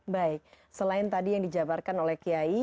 baik selain tadi yang dijabarkan oleh kiai